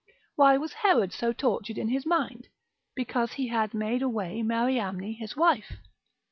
Why was Herod so tortured in his mind? because he had made away Mariamne his wife.